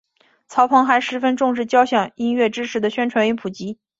曹鹏还十分重视交响音乐知识的宣传与普及。